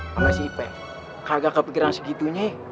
sama si ipek kagak kepikiran segitunya